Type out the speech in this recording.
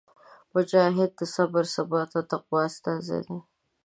مجاهد د صبر، ثبات او تقوا استازی دی.